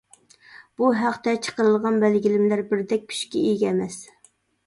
بۇ ھەقتە چىقىرىلغان بەلگىلىمىلەر بىردەك كۈچكە ئىگە ئەمەس.